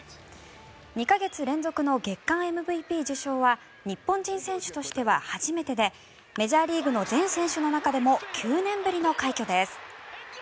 ２か月連続の月間ＭＶＰ受賞は日本人選手としては初めてでメジャーリーグの全選手の中でも９年ぶりの快挙です。